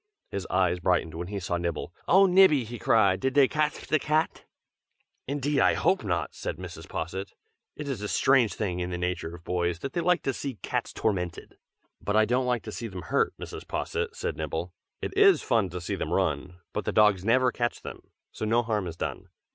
His eyes brightened when he saw Nibble. "Oh! Nibby!" he cried. "Did dey catf de cat?" "Indeed, I hope not!" said Mrs. Posset. "It is a strange thing in the nature of boys, that they like to see cats tormented." "But I don't like to see them hurt, Mrs. Posset!" said Nibble. "It is fun to see them run, but the dogs never catch them, so no harm is done.